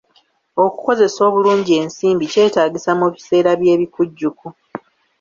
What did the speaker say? Okukozesa obulungi ensimbi kyetaagisa mu biseera by'ebikujjuko